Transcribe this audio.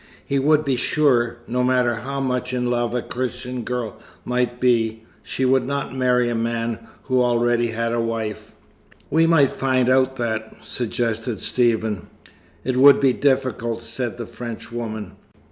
He would be sure, no matter how much in love a Christian girl might be, she would not marry a man who already had a wife." "We might find out that," suggested Stephen. "It would be difficult," said the Frenchwoman.